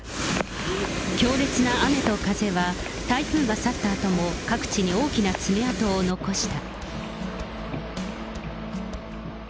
強烈な雨と風は、台風が去ったあとも、各地に大きな爪痕を残した。